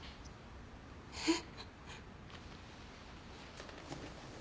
えっ？